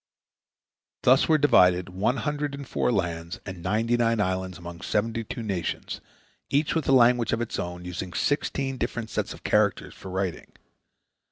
" Thus were divided one hundred and four lands and ninety nine islands among seventy two nations, each with a language of its own, using sixteen different sets of characters for writing.